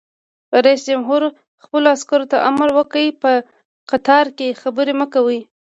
رئیس جمهور خپلو عسکرو ته امر وکړ؛ په قطار کې خبرې مه کوئ!